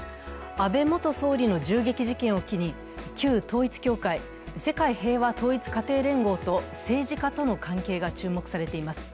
安倍元総理の銃撃事件を機に、旧統一教会、世界平和統一家庭連合と政治家との関係が注目されています。